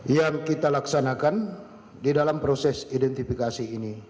yang kita laksanakan di dalam proses identifikasi ini